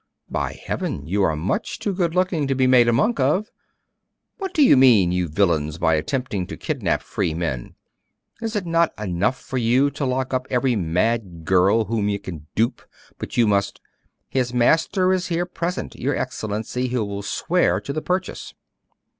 By Heaven, you are much too good looking to be made a monk of! What do you mean, you villains, by attempting to kidnap free men? Is it not enough for you to lock up every mad girl whom you can dupe, but you must ' 'His master is here present, your Excellency, who will swear to the purchase.